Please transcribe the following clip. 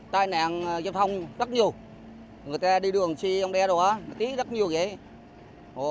tai nạn giao thông rất nhiều người ta đi đường si ông đe đồ á tí rất nhiều kìa